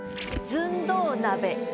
「寸胴鍋へ」